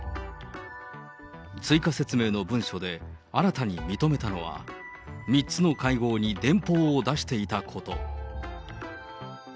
追加説明の文書で新たに認めたのは、３つの会合に電報を出していたこと。